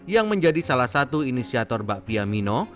yang menjadi salah satu inisiator bakpia mino